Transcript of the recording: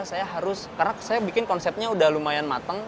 saya harus karena saya bikin konsepnya udah lumayan mateng